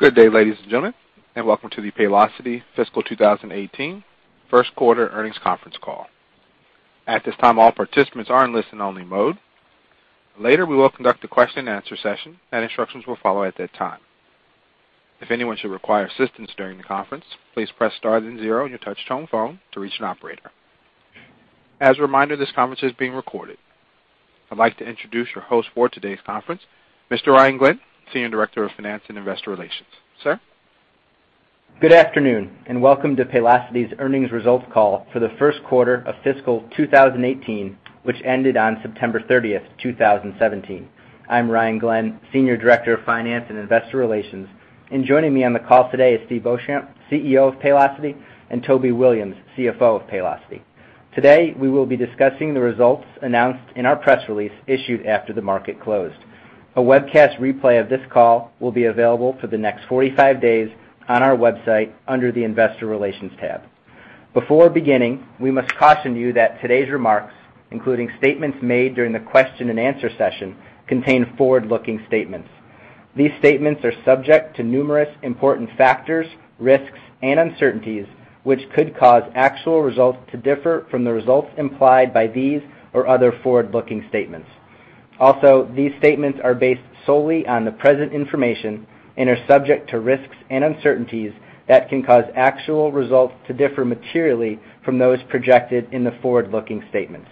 Good day, ladies and gentlemen, and welcome to the Paylocity fiscal 2018 first quarter earnings conference call. At this time, all participants are in listen only mode. Later, we will conduct a question and answer session, and instructions will follow at that time. If anyone should require assistance during the conference, please press star then zero on your touch-tone phone to reach an operator. As a reminder, this conference is being recorded. I'd like to introduce your host for today's conference, Mr. Ryan Glenn, Senior Director of Finance and Investor Relations. Sir? Good afternoon, and welcome to Paylocity's earnings results call for the first quarter of fiscal 2018, which ended on September 30th, 2017. I'm Ryan Glenn, Senior Director of Finance and Investor Relations. Joining me on the call today is Steve Beauchamp, CEO of Paylocity, and Toby Williams, CFO of Paylocity. Today, we will be discussing the results announced in our press release issued after the market closed. A webcast replay of this call will be available for the next 45 days on our website under the investor relations tab. Before beginning, we must caution you that today's remarks, including statements made during the question and answer session, contain forward-looking statements. These statements are subject to numerous important factors, risks, and uncertainties, which could cause actual results to differ from the results implied by these or other forward-looking statements. These statements are based solely on the present information and are subject to risks and uncertainties that can cause actual results to differ materially from those projected in the forward-looking statements.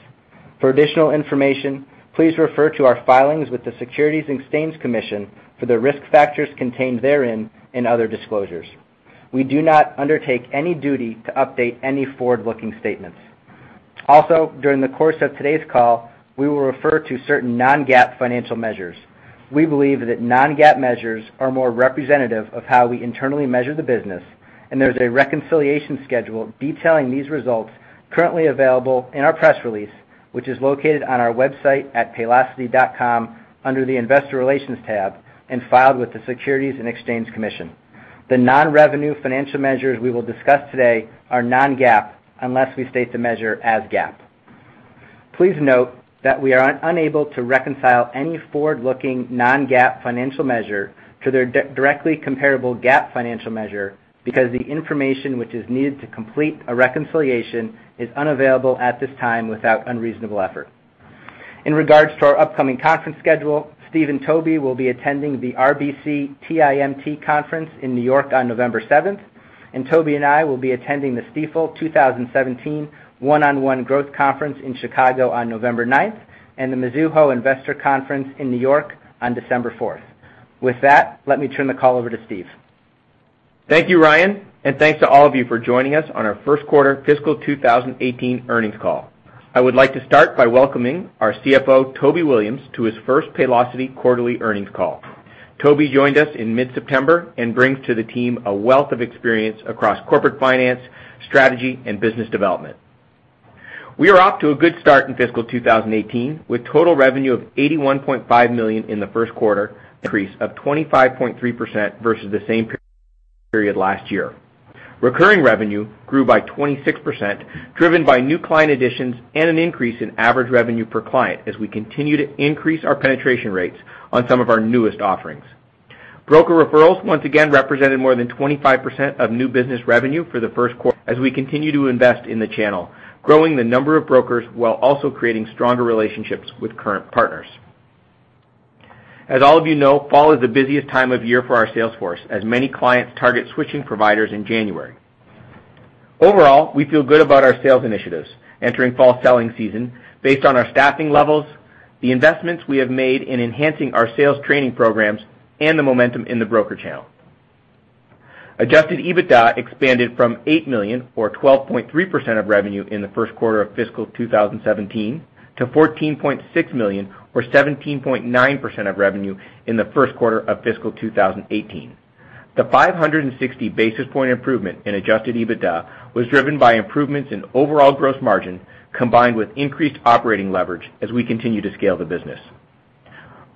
For additional information, please refer to our filings with the Securities and Exchange Commission for the risk factors contained therein and other disclosures. We do not undertake any duty to update any forward-looking statements. Also, during the course of today's call, we will refer to certain non-GAAP financial measures. We believe that non-GAAP measures are more representative of how we internally measure the business. There's a reconciliation schedule detailing these results currently available in our press release, which is located on our website at paylocity.com under the investor relations tab and filed with the Securities and Exchange Commission. The non-revenue financial measures we will discuss today are non-GAAP, unless we state the measure as GAAP. Please note that we are unable to reconcile any forward-looking non-GAAP financial measure to their directly comparable GAAP financial measure because the information which is needed to complete a reconciliation is unavailable at this time without unreasonable effort. In regards to our upcoming conference schedule, Steve and Toby will be attending the RBC TIMT conference in New York on November 7th. Toby and I will be attending the Stifel 2017 One-on-One Growth Conference in Chicago on November 9th, and the Mizuho Investor Conference in New York on December 4th. With that, let me turn the call over to Steve. Thank you, Ryan Glenn, and thanks to all of you for joining us on our first quarter fiscal 2018 earnings call. I would like to start by welcoming our CFO, Toby Williams, to his first Paylocity quarterly earnings call. Toby joined us in mid-September and brings to the team a wealth of experience across corporate finance, strategy, and business development. We are off to a good start in fiscal 2018, with total revenue of $81.5 million in the first quarter, increase of 25.3% versus the same period last year. Recurring revenue grew by 26%, driven by new client additions and an increase in average revenue per client as we continue to increase our penetration rates on some of our newest offerings. Broker referrals once again represented more than 25% of new business revenue for the first quarter as we continue to invest in the channel, growing the number of brokers while also creating stronger relationships with current partners. As all of you know, fall is the busiest time of year for our sales force, as many clients target switching providers in January. We feel good about our sales initiatives entering fall selling season based on our staffing levels, the investments we have made in enhancing our sales training programs, and the momentum in the broker channel. Adjusted EBITDA expanded from $8 million or 12.3% of revenue in the first quarter of fiscal 2017 to $14.6 million or 17.9% of revenue in the first quarter of fiscal 2018. The 560 basis point improvement in adjusted EBITDA was driven by improvements in overall gross margin, combined with increased operating leverage as we continue to scale the business.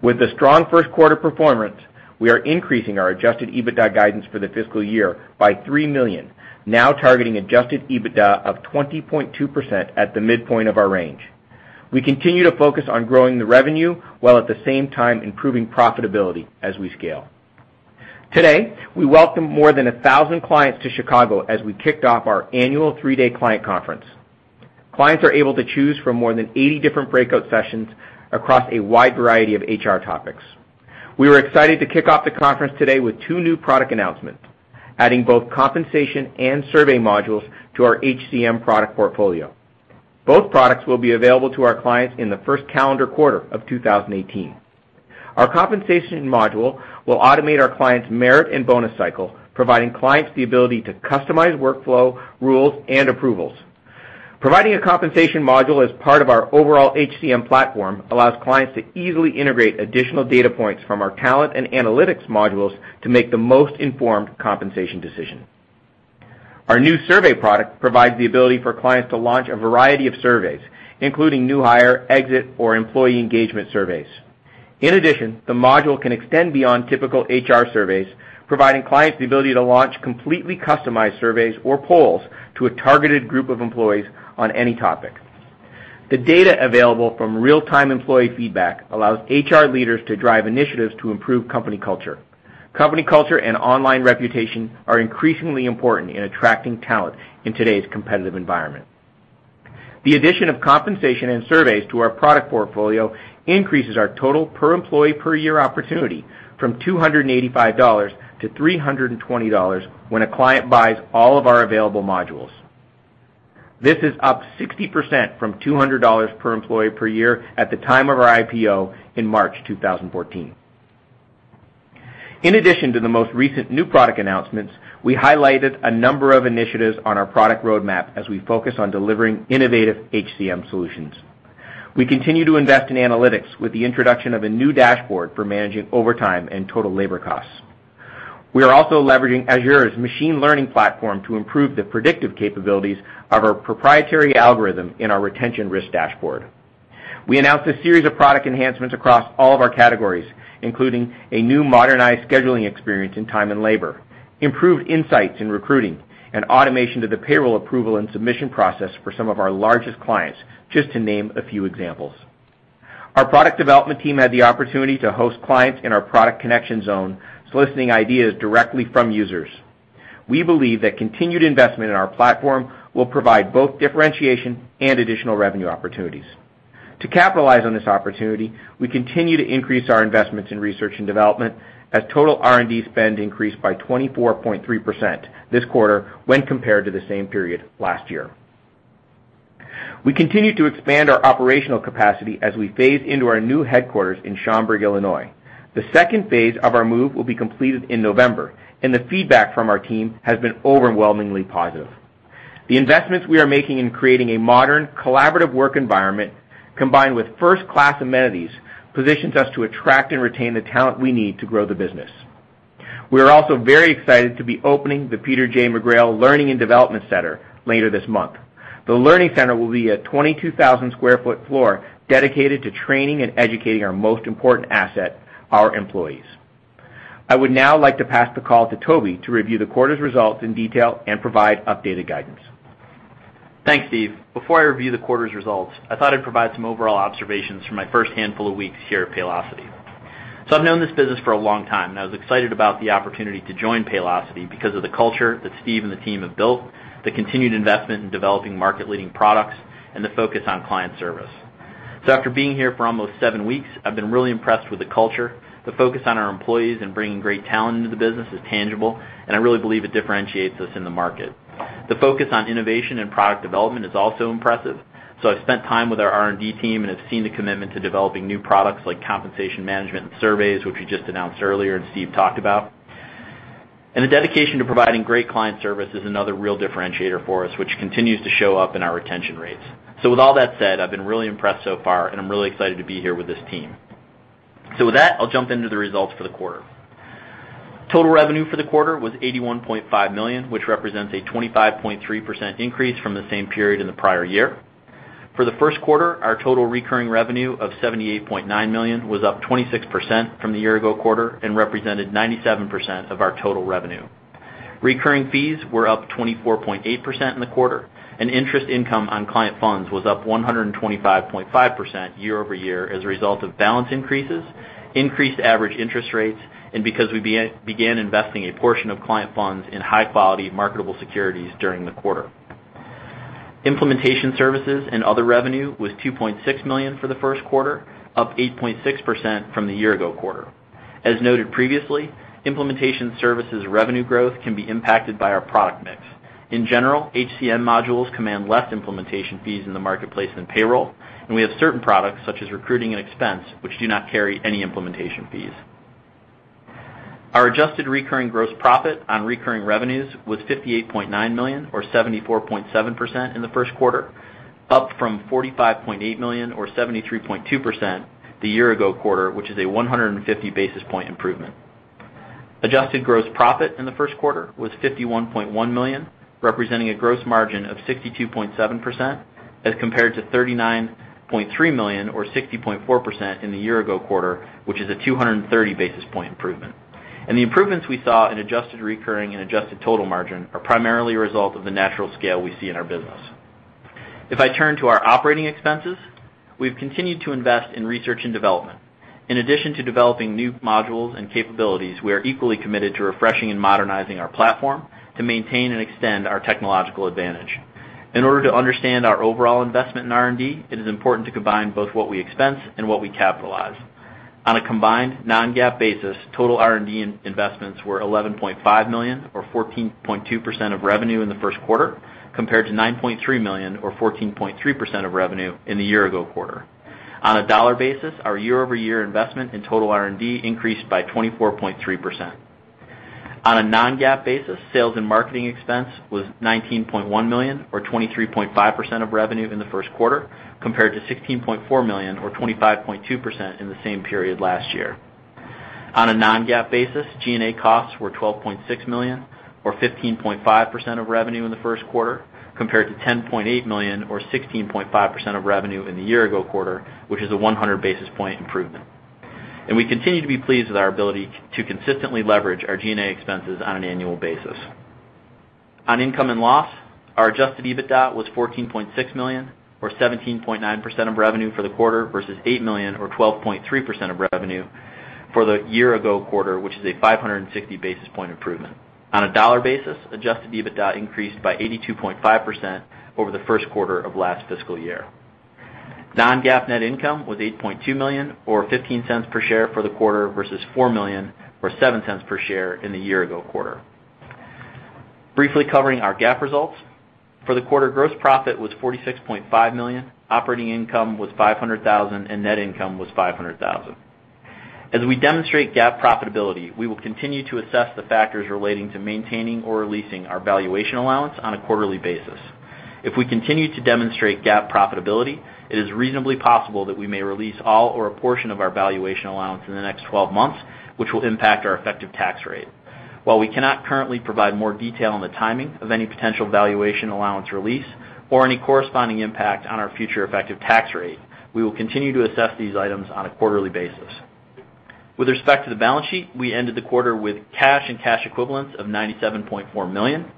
With the strong first quarter performance, we are increasing our adjusted EBITDA guidance for the fiscal year by $3 million, now targeting adjusted EBITDA of 20.2% at the midpoint of our range. We continue to focus on growing the revenue while at the same time improving profitability as we scale. Today, we welcome more than 1,000 clients to Chicago as we kicked off our annual 3-day client conference. Clients are able to choose from more than 80 different breakout sessions across a wide variety of HR topics. We were excited to kick off the conference today with two new product announcements, adding both compensation and survey modules to our HCM product portfolio. Both products will be available to our clients in the first calendar quarter of 2018. Our compensation module will automate our clients' merit and bonus cycle, providing clients the ability to customize workflow, rules, and approvals. Providing a compensation module as part of our overall HCM platform allows clients to easily integrate additional data points from our talent and analytics modules to make the most informed compensation decision. Our new survey product provides the ability for clients to launch a variety of surveys, including new hire, exit, or employee engagement surveys. In addition, the module can extend beyond typical HR surveys, providing clients the ability to launch completely customized surveys or polls to a targeted group of employees on any topic. The data available from real-time employee feedback allows HR leaders to drive initiatives to improve company culture. Company culture and online reputation are increasingly important in attracting talent in today's competitive environment. The addition of compensation and surveys to our product portfolio increases our total per-employee per year opportunity from $285 to $320 when a client buys all of our available modules. This is up 60% from $200 per employee per year at the time of our IPO in March 2014. In addition to the most recent new product announcements, we highlighted a number of initiatives on our product roadmap as we focus on delivering innovative HCM solutions. We continue to invest in analytics with the introduction of a new dashboard for managing overtime and total labor costs. We are also leveraging Azure's machine learning platform to improve the predictive capabilities of our proprietary algorithm in our retention risk dashboard. We announced a series of product enhancements across all of our categories, including a new modernized scheduling experience in time and labor, improved insights in recruiting, and automation to the payroll approval and submission process for some of our largest clients, just to name a few examples. Our product development team had the opportunity to host clients in our product connection zone, soliciting ideas directly from users. We believe that continued investment in our platform will provide both differentiation and additional revenue opportunities. To capitalize on this opportunity, we continue to increase our investments in research and development as total R&D spend increased by 24.3% this quarter when compared to the same period last year. We continue to expand our operational capacity as we phase into our new headquarters in Schaumburg, Illinois. The second phase of our move will be completed in November, and the feedback from our team has been overwhelmingly positive. The investments we are making in creating a modern, collaborative work environment, combined with first-class amenities, positions us to attract and retain the talent we need to grow the business. We are also very excited to be opening the Peter J. McGrail Learning and Development Center later this month. The learning center will be a 22,000 square foot floor dedicated to training and educating our most important asset, our employees. I would now like to pass the call to Toby to review the quarter's results in detail and provide updated guidance. Thanks, Steve. Before I review the quarter's results, I thought I'd provide some overall observations from my first handful of weeks here at Paylocity. I've known this business for a long time, and I was excited about the opportunity to join Paylocity because of the culture that Steve and the team have built, the continued investment in developing market-leading products, and the focus on client service. After being here for almost seven weeks, I've been really impressed with the culture. The focus on our employees and bringing great talent into the business is tangible, and I really believe it differentiates us in the market. The focus on innovation and product development is also impressive. I've spent time with our R&D team and have seen the commitment to developing new products like compensation management and surveys, which we just announced earlier and Steve talked about. The dedication to providing great client service is another real differentiator for us, which continues to show up in our retention rates. With all that said, I've been really impressed so far, and I'm really excited to be here with this team. With that, I'll jump into the results for the quarter. Total revenue for the quarter was $81.5 million, which represents a 25.3% increase from the same period in the prior year. For the first quarter, our total recurring revenue of $78.9 million was up 26% from the year-ago quarter and represented 97% of our total revenue. Recurring fees were up 24.8% in the quarter, and interest income on client funds was up 125.5% year-over-year as a result of balance increases, increased average interest rates, and because we began investing a portion of client funds in high-quality marketable securities during the quarter. Implementation services and other revenue was $2.6 million for the first quarter, up 8.6% from the year-ago quarter. As noted previously, implementation services revenue growth can be impacted by our product mix. In general, HCM modules command less implementation fees in the marketplace than payroll, and we have certain products, such as recruiting and expense, which do not carry any implementation fees. Our adjusted recurring gross profit on recurring revenues was $58.9 million or 74.7% in the first quarter, up from $45.8 million or 73.2% the year-ago quarter, which is a 150 basis point improvement. Adjusted gross profit in the first quarter was $51.1 million, representing a gross margin of 62.7%, as compared to $39.3 million or 60.4% in the year-ago quarter, which is a 230 basis point improvement. The improvements we saw in adjusted recurring and adjusted total margin are primarily a result of the natural scale we see in our business. If I turn to our operating expenses, we've continued to invest in research and development. In addition to developing new modules and capabilities, we are equally committed to refreshing and modernizing our platform to maintain and extend our technological advantage. In order to understand our overall investment in R&D, it is important to combine both what we expense and what we capitalize. On a combined non-GAAP basis, total R&D investments were $11.5 million or 14.2% of revenue in the first quarter, compared to $9.3 million or 14.3% of revenue in the year-ago quarter. On a dollar basis, our year-over-year investment in total R&D increased by 24.3%. On a non-GAAP basis, sales and marketing expense was $19.1 million or 23.5% of revenue in the first quarter, compared to $16.4 million or 25.2% in the same period last year. On a non-GAAP basis, G&A costs were $12.6 million or 15.5% of revenue in the first quarter, compared to $10.8 million or 16.5% of revenue in the year-ago quarter, which is a 100 basis point improvement. We continue to be pleased with our ability to consistently leverage our G&A expenses on an annual basis. On income and loss, our adjusted EBITDA was $14.6 million or 17.9% of revenue for the quarter versus $8 million or 12.3% of revenue for the year-ago quarter, which is a 560 basis point improvement. On a dollar basis, adjusted EBITDA increased by 82.5% over the first quarter of last fiscal year. Non-GAAP net income was $8.2 million or $0.15 per share for the quarter versus $4 million or $0.07 per share in the year-ago quarter. Briefly covering our GAAP results. For the quarter, gross profit was $46.5 million, operating income was $500,000, and net income was $500,000. As we demonstrate GAAP profitability, we will continue to assess the factors relating to maintaining or releasing our valuation allowance on a quarterly basis. If we continue to demonstrate GAAP profitability, it is reasonably possible that we may release all or a portion of our valuation allowance in the next 12 months, which will impact our effective tax rate. While we cannot currently provide more detail on the timing of any potential valuation allowance release or any corresponding impact on our future effective tax rate, we will continue to assess these items on a quarterly basis. With respect to the balance sheet, we ended the quarter with cash and cash equivalents of $97.4 million.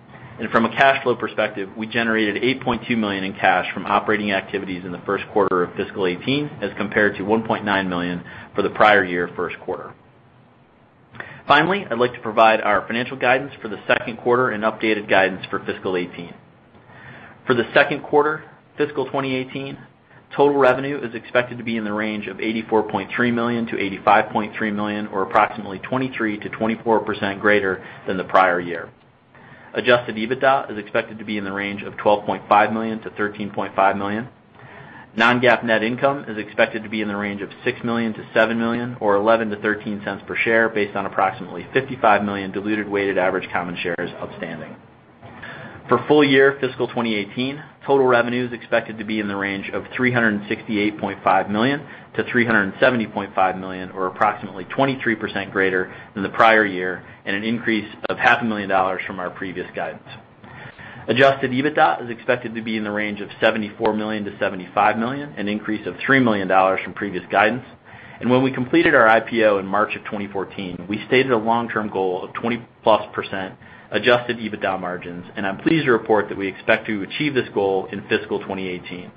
From a cash flow perspective, we generated $8.2 million in cash from operating activities in the first quarter of fiscal 2018 as compared to $1.9 million for the prior-year first quarter. Finally, I'd like to provide our financial guidance for the second quarter and updated guidance for fiscal 2018. For the second quarter fiscal 2018, total revenue is expected to be in the range of $84.3 million-$85.3 million or approximately 23%-24% greater than the prior year. Adjusted EBITDA is expected to be in the range of $12.5 million-$13.5 million. Non-GAAP net income is expected to be in the range of $6 million-$7 million or $0.11-$0.13 per share based on approximately 55 million diluted weighted average common shares outstanding. For full year fiscal 2018, total revenue is expected to be in the range of $368.5 million-$370.5 million or approximately 23% greater than the prior year and an increase of half a million dollars from our previous guidance. Adjusted EBITDA is expected to be in the range of $74 million-$75 million, an increase of $3 million from previous guidance. When we completed our IPO in March of 2014, we stated a long-term goal of 20%-plus adjusted EBITDA margins, and I'm pleased to report that we expect to achieve this goal in fiscal 2018.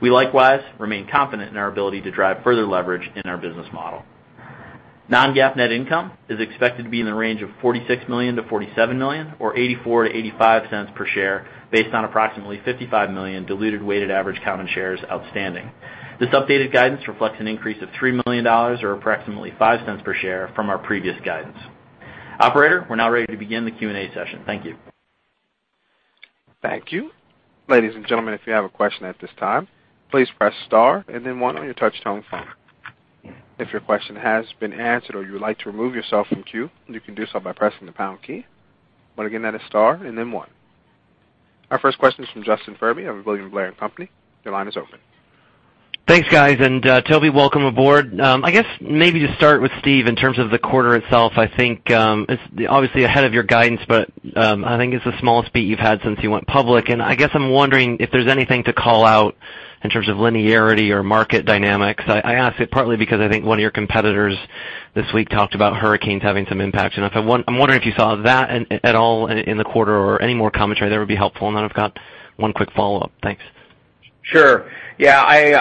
We likewise remain confident in our ability to drive further leverage in our business model. Non-GAAP net income is expected to be in the range of $46 million-$47 million or $0.84-$0.85 per share based on approximately 55 million diluted weighted average common shares outstanding. This updated guidance reflects an increase of $3 million or approximately $0.05 per share from our previous guidance. Operator, we're now ready to begin the Q&A session. Thank you. Thank you. Ladies and gentlemen, if you have a question at this time, please press star and then one on your touch-tone phone. If your question has been answered or you would like to remove yourself from queue, you can do so by pressing the pound key. Again, that is star and then one. Our first question is from Justin Ferbey of William Blair & Company. Your line is open. Thanks, guys, Toby, welcome aboard. I guess maybe to start with Steve in terms of the quarter itself, I think, it's obviously ahead of your guidance, but I think it's the smallest beat you've had since you went public. I guess I'm wondering if there's anything to call out in terms of linearity or market dynamics. I ask it partly because I think one of your competitors this week talked about hurricanes having some impact, and I'm wondering if you saw that at all in the quarter or any more commentary there would be helpful. I've got one quick follow-up. Thanks. Sure. Yeah, I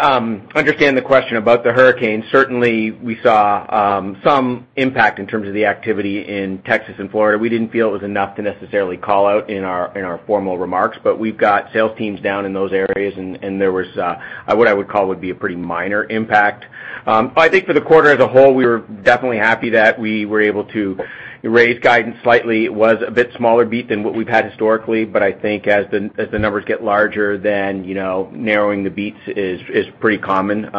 understand the question about the hurricane. Certainly, we saw some impact in terms of the activity in Texas and Florida. We didn't feel it was enough to necessarily call out in our formal remarks, but we've got sales teams down in those areas, and there was what I would call would be a pretty minor impact. I think for the quarter as a whole, we were definitely happy that we were able to raise guidance slightly. It was a bit smaller beat than what we've had historically, but I think as the numbers get larger, narrowing the beats is pretty common. We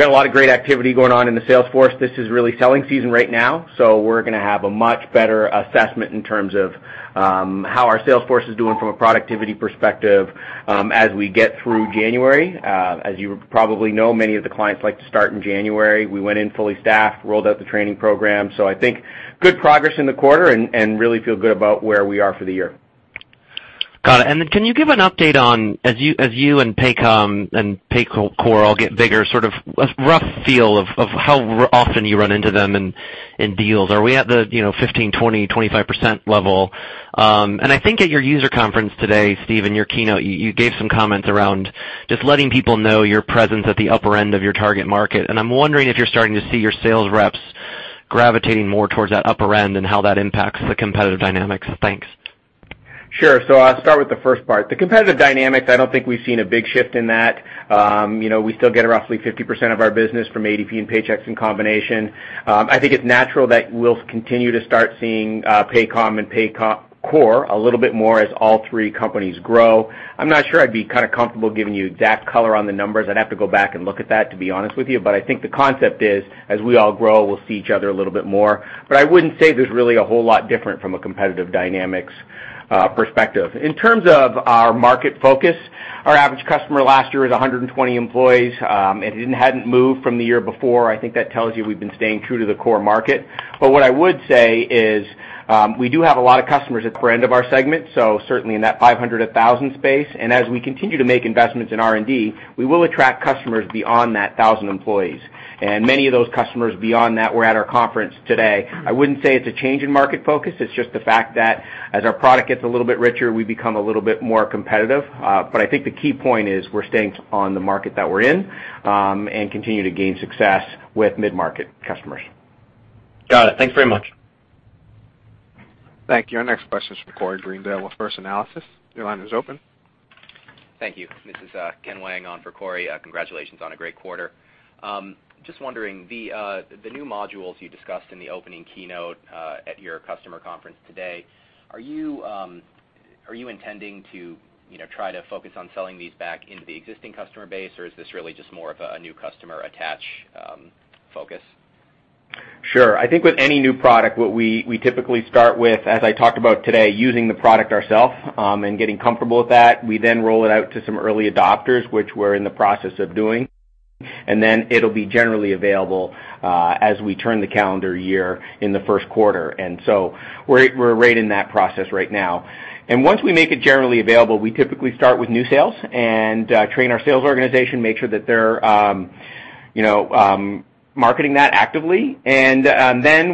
got a lot of great activity going on in the sales force. This is really selling season right now, we're going to have a much better assessment in terms of how our sales force is doing from a productivity perspective as we get through January. As you probably know, many of the clients like to start in January. We went in fully staffed, rolled out the training program. I think good progress in the quarter and really feel good about where we are for the year. Got it. Can you give an update on, as you and Paycom and Paycor all get bigger, sort of a rough feel of how often you run into them in deals. Are we at the 15%, 20%, 25% level? I think at your user conference today, Steve, in your keynote, you gave some comments around just letting people know your presence at the upper end of your target market, and I'm wondering if you're starting to see your sales reps gravitating more towards that upper end and how that impacts the competitive dynamics. Thanks. Sure. I'll start with the first part. The competitive dynamics, I don't think we've seen a big shift in that. We still get roughly 50% of our business from ADP and Paychex in combination. I think it's natural that we'll continue to start seeing Paycom and Paycor a little bit more as all three companies grow. I'm not sure I'd be comfortable giving you exact color on the numbers. I'd have to go back and look at that, to be honest with you. I think the concept is, as we all grow, we'll see each other a little bit more. I wouldn't say there's really a whole lot different from a competitive dynamics perspective. In terms of our market focus, our average customer last year was 120 employees, and it hadn't moved from the year before. I think that tells you we've been staying true to the core market. What I would say is we do have a lot of customers at the upper end of our segment, so certainly in that 500 to 1,000 space. As we continue to make investments in R&D, we will attract customers beyond that 1,000 employees. Many of those customers beyond that were at our conference today. I wouldn't say it's a change in market focus, it's just the fact that as our product gets a little bit richer, we become a little bit more competitive. I think the key point is we're staying on the market that we're in, and continue to gain success with mid-market customers. Got it. Thanks very much. Thank you. Our next question is from Corey Greendale with First Analysis. Your line is open. Thank you. This is Ken Wang on for Corey. Congratulations on a great quarter. Just wondering, the new modules you discussed in the opening keynote at your customer conference today, are you intending to try to focus on selling these back into the existing customer base, or is this really just more of a new customer attach focus? Sure. I think with any new product, what we typically start with, as I talked about today, using the product ourself and getting comfortable with that. We then roll it out to some early adopters, which we're in the process of doing. It'll be generally available as we turn the calendar year in the first quarter. We're right in that process right now. Once we make it generally available, we typically start with new sales and train our sales organization, make sure that they're marketing that actively.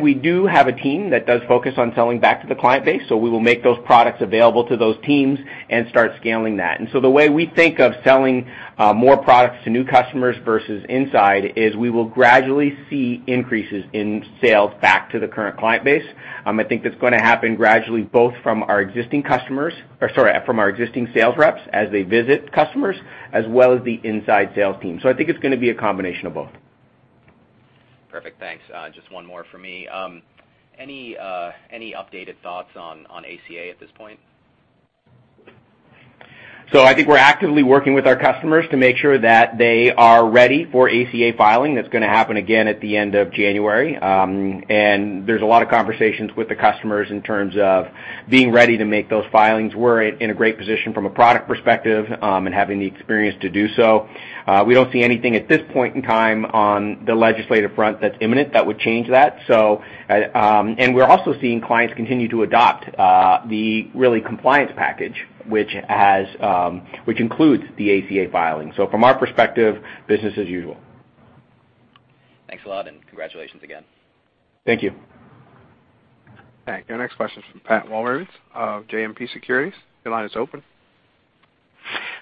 We do have a team that does focus on selling back to the client base. We will make those products available to those teams and start scaling that. The way we think of selling more products to new customers versus inside is we will gradually see increases in sales back to the current client base. I think that's going to happen gradually, both from our existing sales reps as they visit customers, as well as the inside sales team. I think it's going to be a combination of both. Perfect. Thanks. Just one more from me. Any updated thoughts on ACA at this point? I think we're actively working with our customers to make sure that they are ready for ACA filing. That's going to happen again at the end of January. There's a lot of conversations with the customers in terms of being ready to make those filings. We're in a great position from a product perspective and having the experience to do so. We don't see anything at this point in time on the legislative front that's imminent that would change that. We're also seeing clients continue to adopt the compliance package, which includes the ACA filing. From our perspective, business as usual. Thanks a lot, congratulations again. Thank you. Thank you. Our next question is from Pat Walravens of JMP Securities. Your line is open.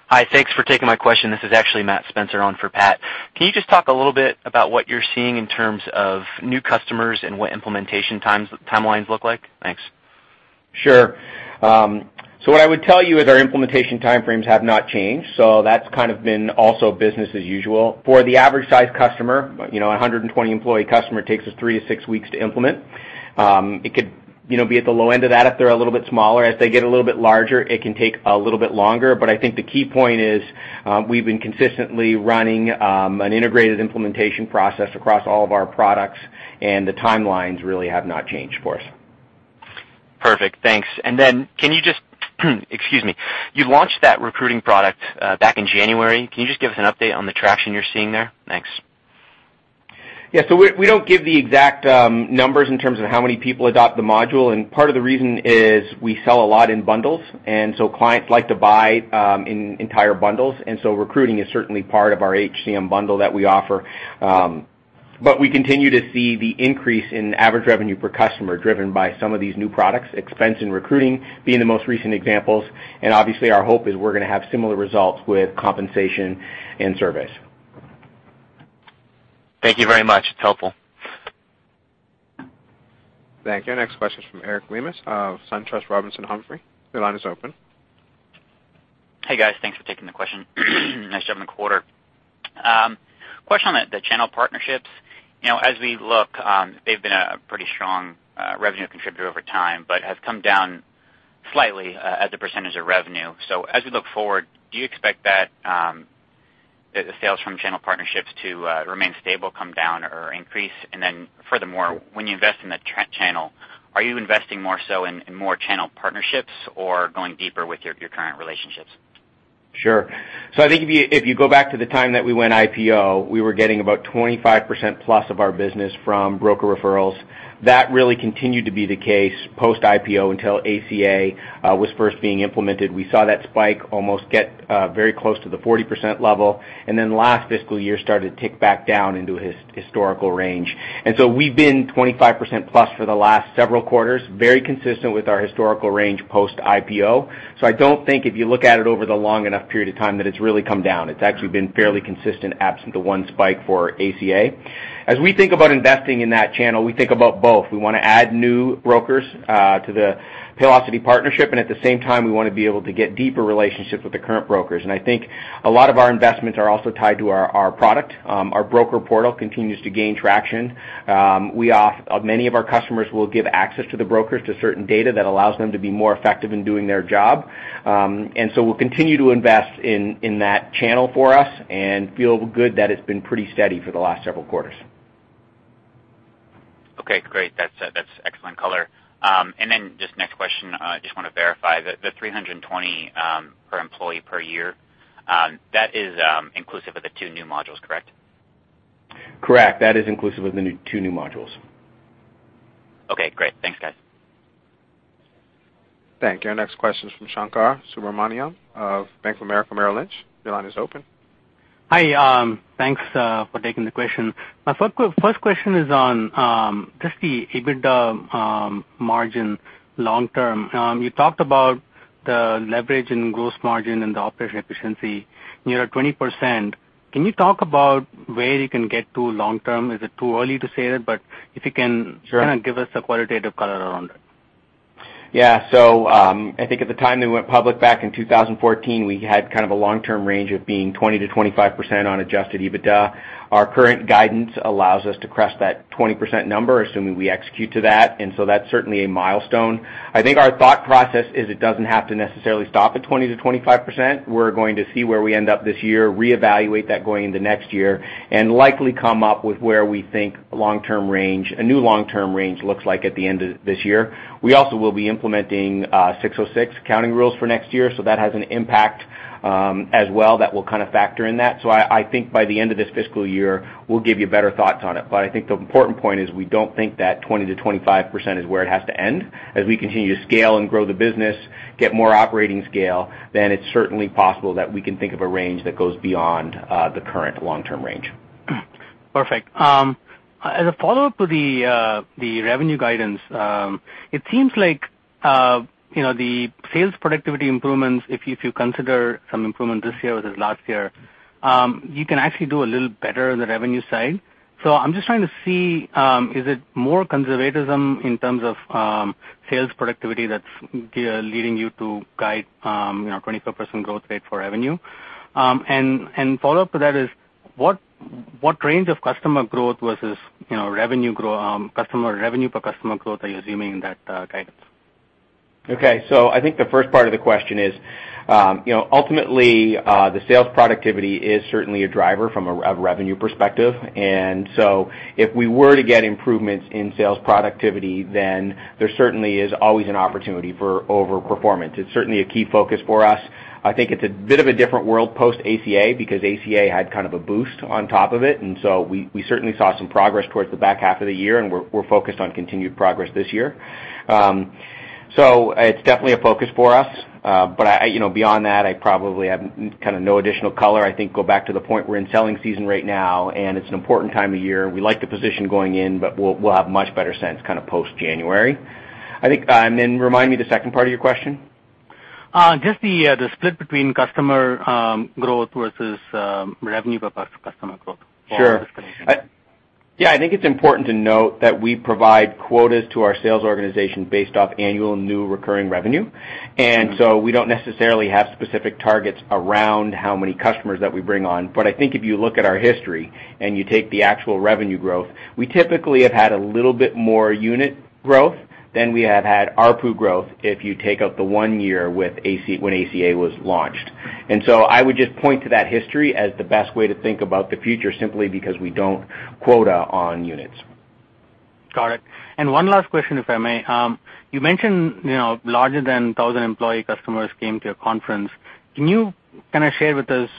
Hi. Thanks for taking my question. This is actually Matt Spencer on for Pat. Can you just talk a little bit about what you're seeing in terms of new customers and what implementation timelines look like? Thanks. Sure. What I would tell you is our implementation time frames have not changed. That's been also business as usual. For the average size customer, 120-employee customer takes us three to six weeks to implement. It could be at the low end of that if they're a little bit smaller. As they get a little bit larger, it can take a little bit longer. I think the key point is we've been consistently running an integrated implementation process across all of our products, and the timelines really have not changed for us. Perfect. Thanks. Then you launched that recruiting product back in January. Can you just give us an update on the traction you're seeing there? Thanks. Yeah. We don't give the exact numbers in terms of how many people adopt the module, and part of the reason is we sell a lot in bundles, and so clients like to buy in entire bundles. Recruiting is certainly part of our HCM bundle that we offer. We continue to see the increase in average revenue per customer driven by some of these new products, expense and recruiting being the most recent examples. Obviously, our hope is we're going to have similar results with compensation and surveys. Thank you very much. It's helpful. Thank you. Our next question is from Eric Leemis of SunTrust Robinson Humphrey. Your line is open. Hey, guys, thanks for taking the question. Nice job on the quarter. Question on the channel partnerships. As we look, they've been a pretty strong revenue contributor over time, but have come down slightly as a percentage of revenue. As we look forward, do you expect that the sales from channel partnerships to remain stable, come down, or increase? Furthermore, when you invest in the channel, are you investing more so in more channel partnerships or going deeper with your current relationships? I think if you go back to the time that we went IPO, we were getting about 25%+ of our business from broker referrals. That really continued to be the case post-IPO until ACA was first being implemented. We saw that spike almost get very close to the 40% level, last fiscal year started to tick back down into its historical range. We've been 25%+ for the last several quarters, very consistent with our historical range post-IPO. I don't think if you look at it over the long enough period of time that it's really come down. It's actually been fairly consistent absent the one spike for ACA. As we think about investing in that channel, we think about both. We want to add new brokers to the Paylocity partnership, at the same time, we want to be able to get deeper relationships with the current brokers. I think a lot of our investments are also tied to our product. Our broker portal continues to gain traction. Many of our customers will give access to the brokers to certain data that allows them to be more effective in doing their job. We'll continue to invest in that channel for us and feel good that it's been pretty steady for the last several quarters. Okay, great. That's excellent color. Just next question, just want to verify, the 320 per employee per year, that is inclusive of the two new modules, correct? Correct. That is inclusive of the two new modules. Okay, great. Thanks, guys. Thank you. Our next question is from Shankar Subramanian of Bank of America Merrill Lynch. Your line is open. Hi. Thanks for taking the question. My first question is on just the EBITDA margin long term. You talked about the leverage in gross margin and the operation efficiency near 20%. Can you talk about where you can get to long term? Is it too early to say that? But if you can- Sure give us a qualitative color around it. I think at the time we went public back in 2014, we had a long-term range of being 20%-25% on adjusted EBITDA. Our current guidance allows us to crest that 20% number, assuming we execute to that. That's certainly a milestone. I think our thought process is it doesn't have to necessarily stop at 20%-25%. We're going to see where we end up this year, reevaluate that going into next year, and likely come up with where we think a new long-term range looks like at the end of this year. We also will be implementing 606 accounting rules for next year, that has an impact as well that will factor in that. I think by the end of this fiscal year, we'll give you better thoughts on it. I think the important point is we don't think that 20%-25% is where it has to end. As we continue to scale and grow the business, get more operating scale, then it's certainly possible that we can think of a range that goes beyond the current long-term range. Perfect. As a follow-up to the revenue guidance, it seems like the sales productivity improvements, if you consider some improvement this year versus last year, you can actually do a little better on the revenue side. I'm just trying to see, is it more conservatism in terms of sales productivity that's leading you to guide 25% growth rate for revenue? Follow-up to that is, what range of customer growth versus customer revenue per customer growth are you assuming in that guidance? Okay. I think the first part of the question is, ultimately, the sales productivity is certainly a driver from a revenue perspective. If we were to get improvements in sales productivity, then there certainly is always an opportunity for over-performance. It's certainly a key focus for us. I think it's a bit of a different world post-ACA, because ACA had kind of a boost on top of it. We certainly saw some progress towards the back half of the year, and we're focused on continued progress this year. It's definitely a focus for us. Beyond that, I probably have no additional color. I think go back to the point, we're in selling season right now, and it's an important time of year. We like the position going in, but we'll have much better sense post January. Remind me the second part of your question. Just the split between customer growth versus revenue per customer growth. Sure. Yeah, I think it's important to note that we provide quotas to our sales organization based off annual new recurring revenue. We don't necessarily have specific targets around how many customers that we bring on. I think if you look at our history and you take the actual revenue growth, we typically have had a little bit more unit growth than we have had ARPU growth if you take out the one year when ACA was launched. I would just point to that history as the best way to think about the future, simply because we don't quota on units. Got it. One last question, if I may. You mentioned larger than 1,000 employee customers came to your conference. Can you share with us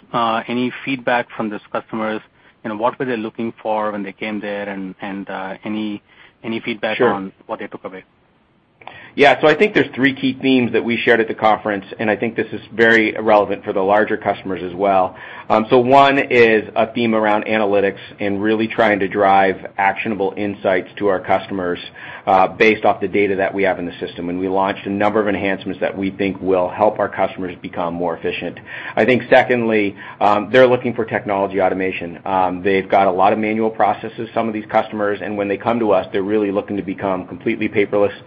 any feedback from those customers and what were they looking for when they came there, and any feedback- Sure on what they took away? Yeah. I think there's three key themes that we shared at the conference, I think this is very relevant for the larger customers as well. One is a theme around analytics and really trying to drive actionable insights to our customers based off the data that we have in the system. We launched a number of enhancements that we think will help our customers become more efficient. I think secondly, they're looking for technology automation. They've got a lot of manual processes, some of these customers, and when they come to us, they're really looking to become completely paperless,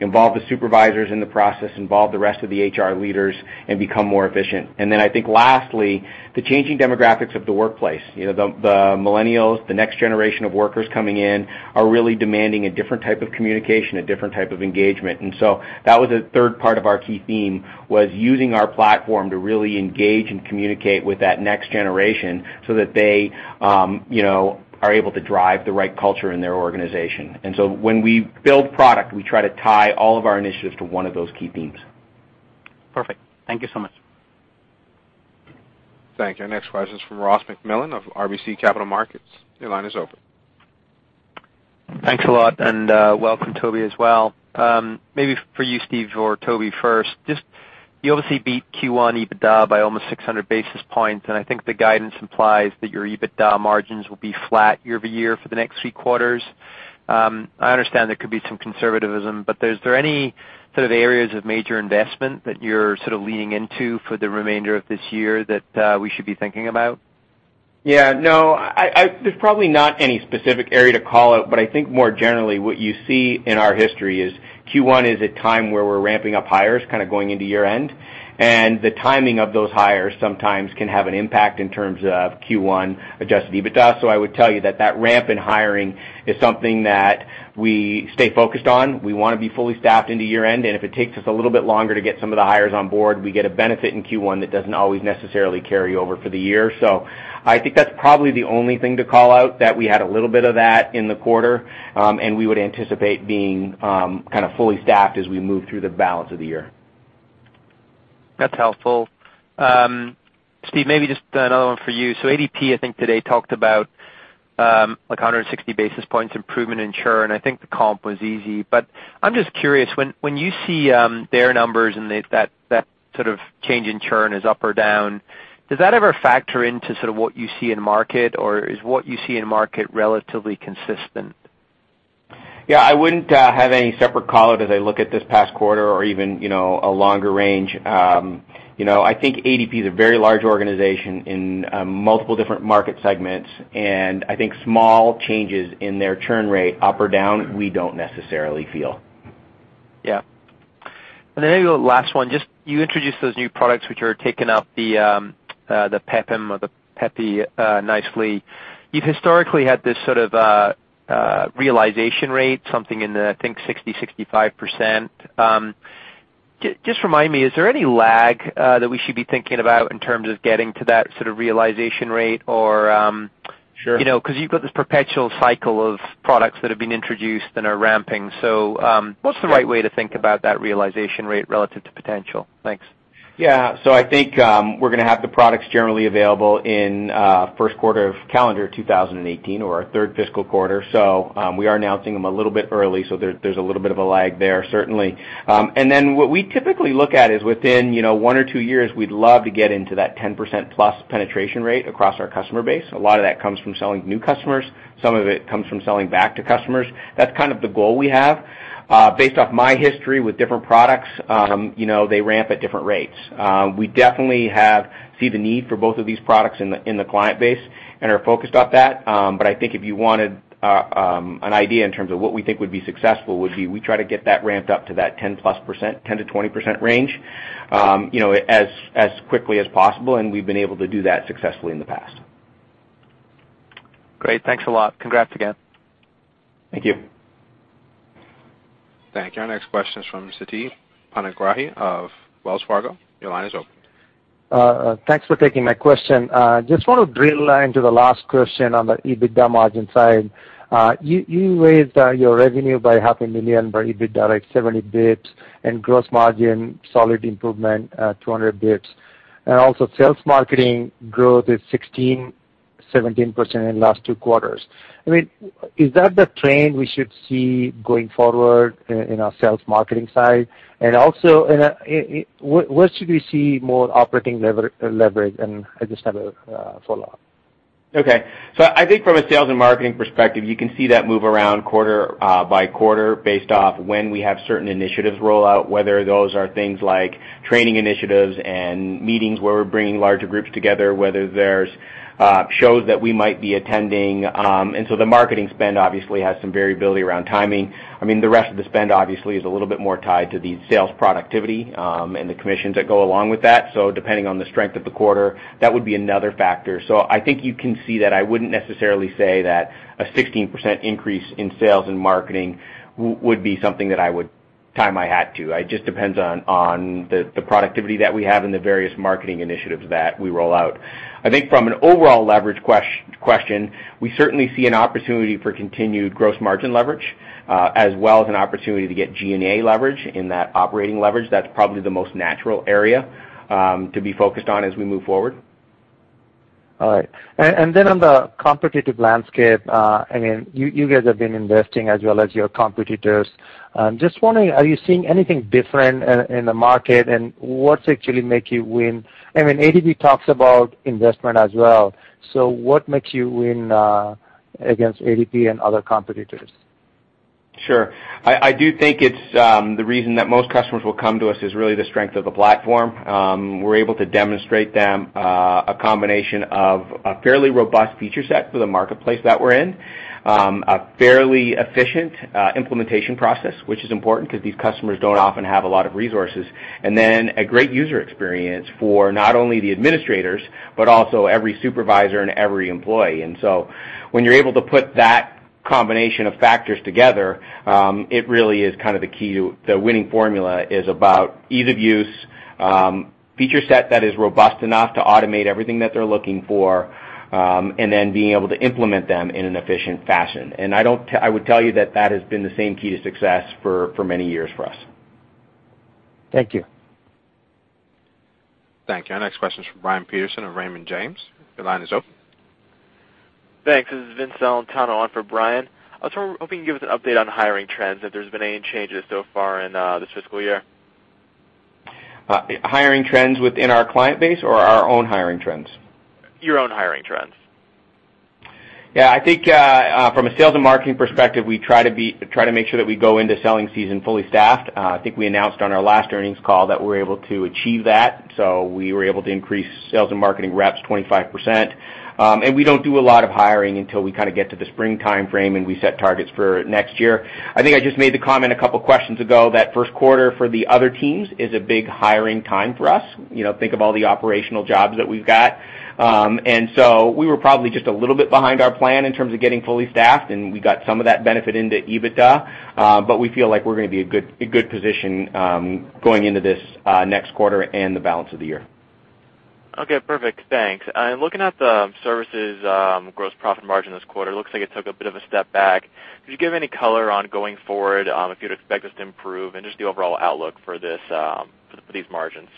involve the supervisors in the process, involve the rest of the HR leaders, and become more efficient. I think lastly, the changing demographics of the workplace. The millennials, the next generation of workers coming in, are really demanding a different type of communication, a different type of engagement. That was a third part of our key theme, was using our platform to really engage and communicate with that next generation so that they are able to drive the right culture in their organization. When we build product, we try to tie all of our initiatives to one of those key themes. Perfect. Thank you so much. Thank you. Next question's from Ross MacMillan of RBC Capital Markets. Your line is open. Thanks a lot, and welcome Toby as well. Maybe for you, Steve or Toby first, just you obviously beat Q1 EBITDA by almost 600 basis points, and I think the guidance implies that your EBITDA margins will be flat year-over-year for the next three quarters. I understand there could be some conservatism, but is there any sort of areas of major investment that you're leaning into for the remainder of this year that we should be thinking about? Yeah, no. There's probably not any specific area to call out, but I think more generally what you see in our history is Q1 is a time where we're ramping up hires, kind of going into year-end. The timing of those hires sometimes can have an impact in terms of Q1 adjusted EBITDA. I would tell you that that ramp in hiring is something that we stay focused on. We want to be fully staffed into year-end, and if it takes us a little bit longer to get some of the hires on board, we get a benefit in Q1 that doesn't always necessarily carry over for the year. I think that's probably the only thing to call out, that we had a little bit of that in the quarter, and we would anticipate being fully staffed as we move through the balance of the year. That's helpful. Steve, maybe just another one for you. ADP, I think today talked about 160 basis points improvement in churn, and I think the comp was easy. I'm just curious, when you see their numbers and that change in churn is up or down, does that ever factor into what you see in market, or is what you see in market relatively consistent? I wouldn't have any separate callout as I look at this past quarter or even a longer range. I think ADP is a very large organization in multiple different market segments, and I think small changes in their churn rate up or down, we don't necessarily feel. Then maybe the last one, just you introduced those new products, which are taking up the PEPM or the PEPY nicely. You've historically had this sort of realization rate, something in the, I think, 60%, 65%. Just remind me, is there any lag that we should be thinking about in terms of getting to that sort of realization rate. Sure because you've got this perpetual cycle of products that have been introduced and are ramping. What's the right way to think about that realization rate relative to potential? Thanks. I think we're going to have the products generally available in first quarter of calendar 2018 or our third fiscal quarter. We are announcing them a little bit early, so there's a little bit of a lag there, certainly. What we typically look at is within one or two years, we'd love to get into that 10%+ penetration rate across our customer base. A lot of that comes from selling new customers. Some of it comes from selling back to customers. That's kind of the goal we have. Based off my history with different products, they ramp at different rates. We definitely see the need for both of these products in the client base and are focused on that. I think if you wanted an idea in terms of what we think would be successful would be, we try to get that ramped up to that 10%+, 10%-20% range as quickly as possible, and we've been able to do that successfully in the past. Great. Thanks a lot. Congrats again. Thank you. Thank you. Our next question is from Siti Panigrahi of Wells Fargo. Your line is open. Thanks for taking my question. Just want to drill into the last question on the EBITDA margin side. You raised your revenue by half a million, but EBITDA like 70 basis points and gross margin solid improvement, 200 basis points. Also sales marketing growth is 16%, 17% in last two quarters. I mean, is that the trend we should see going forward in our sales marketing side? Also, where should we see more operating leverage? I just have a follow-up. Okay. I think from a sales and marketing perspective, you can see that move around quarter by quarter based off when we have certain initiatives roll out, whether those are things like training initiatives and meetings where we're bringing larger groups together, whether there's shows that we might be attending. The marketing spend obviously has some variability around timing. I mean, the rest of the spend obviously is a little bit more tied to the sales productivity, and the commissions that go along with that. Depending on the strength of the quarter, that would be another factor. I think you can see that I wouldn't necessarily say that a 16% increase in sales and marketing would be something that I would time my hat to. It just depends on the productivity that we have and the various marketing initiatives that we roll out. I think from an overall leverage question, we certainly see an opportunity for continued gross margin leverage, as well as an opportunity to get G&A leverage in that operating leverage. That's probably the most natural area to be focused on as we move forward. All right. On the competitive landscape, you guys have been investing as well as your competitors. Just wondering, are you seeing anything different in the market, and what's actually make you win? I mean, ADP talks about investment as well. What makes you win against ADP and other competitors? Sure. I do think the reason that most customers will come to us is really the strength of the platform. We're able to demonstrate them a combination of a fairly robust feature set for the marketplace that we're in, a fairly efficient implementation process, which is important because these customers don't often have a lot of resources. A great user experience for not only the administrators, but also every supervisor and every employee. When you're able to put that combination of factors together, it really is kind of the key to the winning formula is about ease of use, feature set that is robust enough to automate everything that they're looking for, and then being able to implement them in an efficient fashion. I would tell you that that has been the same key to success for many years for us. Thank you. Thank you. Our next question is from Brian Peterson of Raymond James. Your line is open. Thanks. This is Vince Valentino on for Brian. I was hoping you could give us an update on hiring trends, if there's been any changes so far in this fiscal year. Hiring trends within our client base or our own hiring trends? Your own hiring trends. Yeah, I think from a sales and marketing perspective, we try to make sure that we go into selling season fully staffed. I think we announced on our last earnings call that we were able to achieve that. We were able to increase sales and marketing reps 25%. We don't do a lot of hiring until we kind of get to the spring timeframe, and we set targets for next year. I think I just made the comment a couple of questions ago that first quarter for the other teams is a big hiring time for us. Think of all the operational jobs that we've got. We were probably just a little bit behind our plan in terms of getting fully staffed, and we got some of that benefit into EBITDA, we feel like we're going to be a good position going into this next quarter and the balance of the year. Okay, perfect. Thanks. Looking at the services gross profit margin this quarter, looks like it took a bit of a step back. Could you give any color on going forward, if you'd expect this to improve and just the overall outlook for these margins?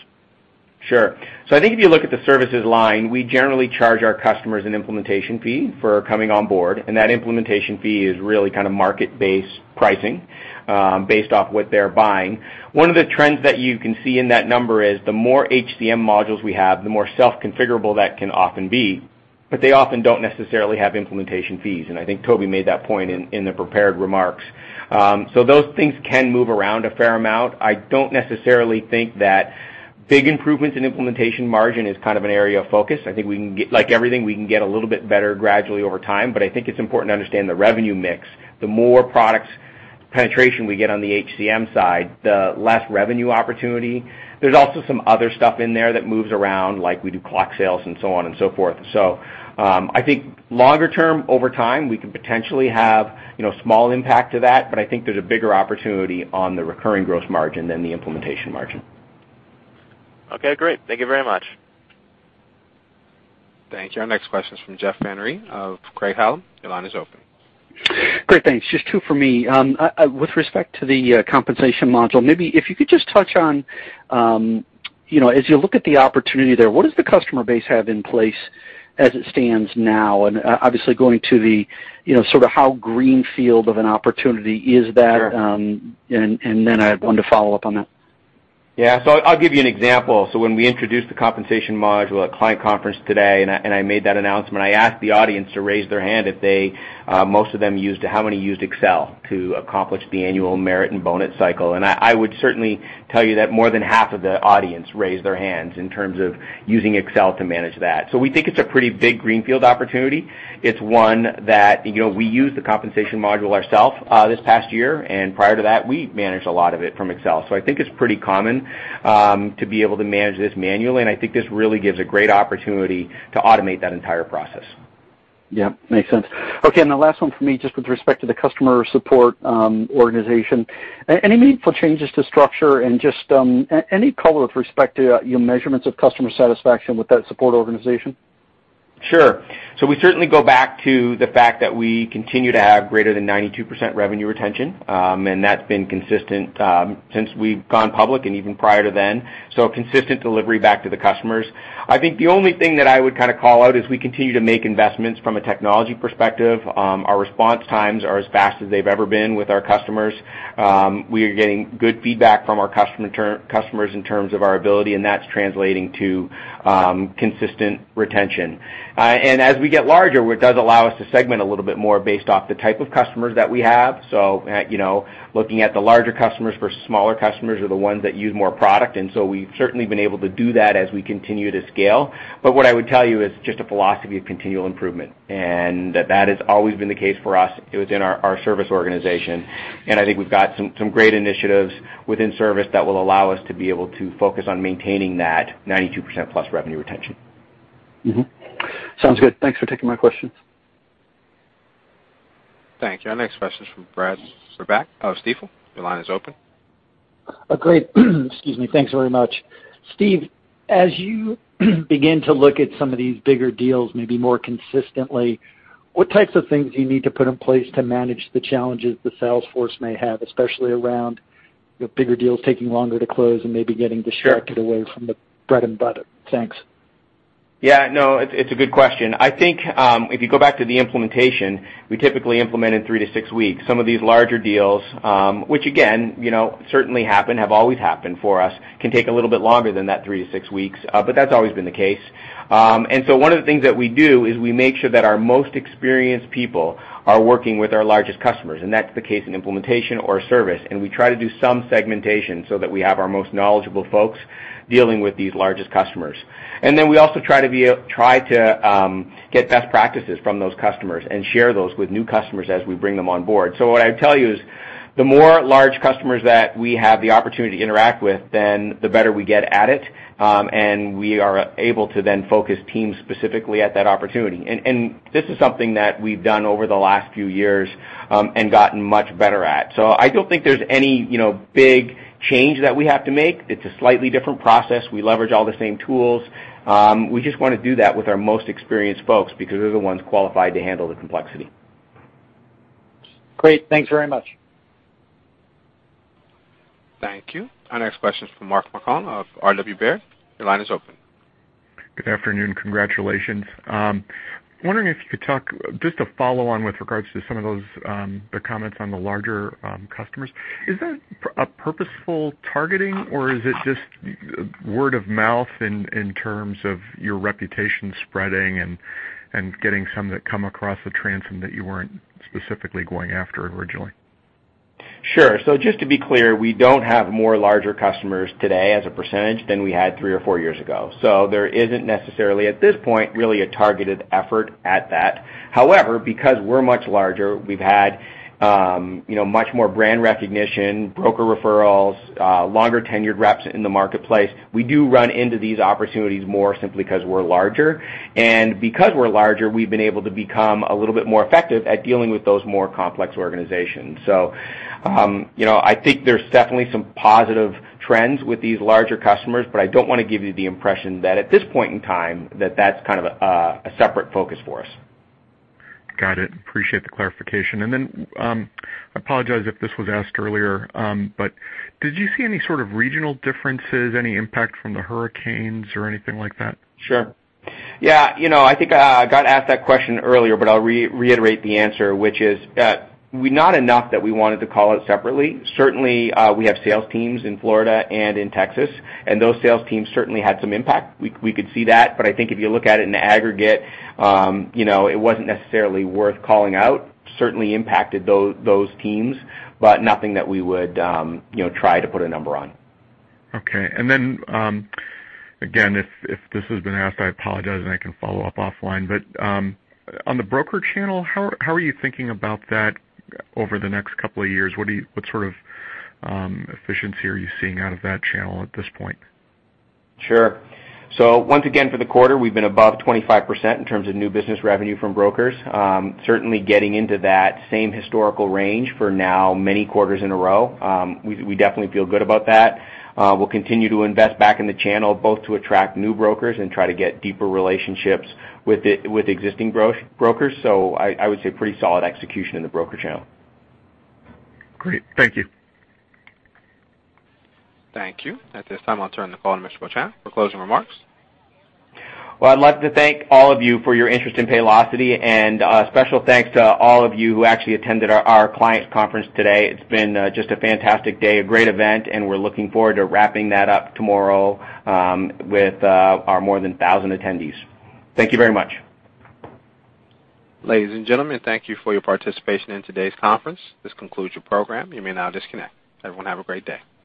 Sure. I think if you look at the services line, we generally charge our customers an implementation fee for coming on board, and that implementation fee is really kind of market-based pricing based off what they're buying. One of the trends that you can see in that number is the more HCM modules we have, the more self-configurable that can often be. They often don't necessarily have implementation fees, and I think Toby made that point in the prepared remarks. Those things can move around a fair amount. I don't necessarily think that big improvements in implementation margin is an area of focus. I think, like everything, we can get a little bit better gradually over time, I think it's important to understand the revenue mix. The more products penetration we get on the HCM side, the less revenue opportunity. There's also some other stuff in there that moves around, like we do clock sales and so on and so forth. I think longer term, over time, we could potentially have small impact to that, I think there's a bigger opportunity on the recurring gross margin than the implementation margin. Okay, great. Thank you very much. Thank you. Our next question is from Jeff Van Rhee of Craig-Hallum. Your line is open. Great. Thanks. Just two from me. With respect to the compensation module, maybe if you could just touch on, as you look at the opportunity there, what does the customer base have in place as it stands now? Obviously going to the sort of how greenfield of an opportunity is that? Sure I have one to follow up on that. Yeah. I'll give you an example. When we introduced the compensation module at client conference today, and I made that announcement, I asked the audience to raise their hand how many used Excel to accomplish the annual merit and bonus cycle. I would certainly tell you that more than half of the audience raised their hands in terms of using Excel to manage that. We think it's a pretty big greenfield opportunity. It's one that we used the compensation module ourself, this past year, and prior to that, we managed a lot of it from Excel. I think it's pretty common to be able to manage this manually, and I think this really gives a great opportunity to automate that entire process. Yeah. Makes sense. The last one for me, just with respect to the customer support organization. Any meaningful changes to structure, any color with respect to your measurements of customer satisfaction with that support organization? Sure. We certainly go back to the fact that we continue to have greater than 92% revenue retention, and that's been consistent since we've gone public and even prior to then. Consistent delivery back to the customers. I think the only thing that I would call out is we continue to make investments from a technology perspective. Our response times are as fast as they've ever been with our customers. We are getting good feedback from our customers in terms of our ability, and that's translating to consistent retention. As we get larger, it does allow us to segment a little bit more based off the type of customers that we have. Looking at the larger customers versus smaller customers are the ones that use more product. We've certainly been able to do that as we continue to scale. What I would tell you is just a philosophy of continual improvement, and that has always been the case for us within our service organization. I think we've got some great initiatives within service that will allow us to be able to focus on maintaining that 92% plus revenue retention. Mm-hmm. Sounds good. Thanks for taking my questions. Thank you. Our next question is from Brad Reback of Stifel. Your line is open. Great. Excuse me, thanks very much. Steve, as you begin to look at some of these bigger deals, maybe more consistently, what types of things do you need to put in place to manage the challenges the sales force may have, especially around the bigger deals taking longer to close and maybe getting distracted- Sure away from the bread and butter? Thanks. No, it's a good question. I think, if you go back to the implementation, we typically implement in 3 to 6 weeks. Some of these larger deals, which again, certainly happen, have always happened for us, can take a little bit longer than that 3 to 6 weeks. That's always been the case. One of the things that we do is we make sure that our most experienced people are working with our largest customers, and that's the case in implementation or service. We try to do some segmentation so that we have our most knowledgeable folks dealing with these largest customers. Then we also try to get best practices from those customers and share those with new customers as we bring them on board. What I'd tell you is, the more large customers that we have the opportunity to interact with, then the better we get at it. We are able to then focus teams specifically at that opportunity. This is something that we've done over the last few years, and gotten much better at. I don't think there's any big change that we have to make. It's a slightly different process. We leverage all the same tools. We just want to do that with our most experienced folks because they're the ones qualified to handle the complexity. Great. Thanks very much. Thank you. Our next question is from Mark Marcon of RW Baird. Your line is open. Good afternoon. Congratulations. Wondering if you could talk, just to follow on with regards to some of those, the comments on the larger customers. Is that a purposeful targeting, or is it just word of mouth in terms of your reputation spreading and getting some that come across the transom that you weren't specifically going after originally? Sure. Just to be clear, we don't have more larger customers today as a percentage than we had three or four years ago. There isn't necessarily, at this point, really a targeted effort at that. However, because we're much larger, we've had much more brand recognition, broker referrals, longer tenured reps in the marketplace. We do run into these opportunities more simply because we're larger. Because we're larger, we've been able to become a little bit more effective at dealing with those more complex organizations. I think there's definitely some positive trends with these larger customers, but I don't want to give you the impression that at this point in time, that that's kind of a separate focus for us. Got it. Appreciate the clarification. I apologize if this was asked earlier, but did you see any sort of regional differences, any impact from the hurricanes or anything like that? Sure. Yeah. I think I got asked that question earlier, but I'll reiterate the answer, which is, not enough that we wanted to call out separately. Certainly, we have sales teams in Florida and in Texas, and those sales teams certainly had some impact. We could see that, but I think if you look at it in aggregate, it wasn't necessarily worth calling out. Certainly impacted those teams, but nothing that we would try to put a number on. Okay. Again, if this has been asked, I apologize, and I can follow up offline. On the broker channel, how are you thinking about that over the next couple of years? What sort of efficiency are you seeing out of that channel at this point? Sure. Once again, for the quarter, we've been above 25% in terms of new business revenue from brokers. Certainly getting into that same historical range for now many quarters in a row. We definitely feel good about that. We'll continue to invest back in the channel, both to attract new brokers and try to get deeper relationships with existing brokers. I would say pretty solid execution in the broker channel. Great. Thank you. Thank you. At this time, I'll turn the call to Mr. Beauchamp for closing remarks. Well, I'd like to thank all of you for your interest in Paylocity, and a special thanks to all of you who actually attended our clients conference today. It's been just a fantastic day, a great event, and we're looking forward to wrapping that up tomorrow, with our more than 1,000 attendees. Thank you very much. Ladies and gentlemen, thank you for your participation in today's conference. This concludes your program. You may now disconnect. Everyone have a great day.